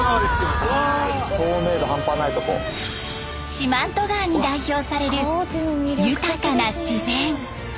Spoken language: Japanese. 四万十川に代表される豊かな自然！